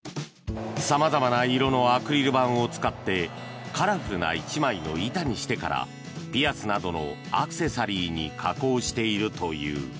様々な色のアクリル板を使ってカラフルな１枚の板にしてからピアスなどのアクセサリーに加工しているという。